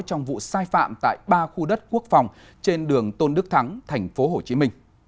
trong vụ sai phạm tại ba khu đất quốc phòng trên đường tôn đức thắng tp hcm